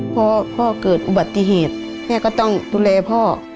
พอพ่อเกิดอุบัติเหตุแม่ก็ต้องดูแลพ่อ